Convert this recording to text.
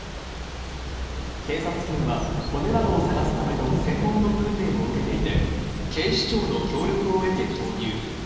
警察犬は骨などを探すための専門の訓練を受けていて、警視庁の協力を得て投入。